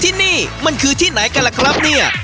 ที่นี่มันคือที่ไหนกันล่ะครับเนี่ย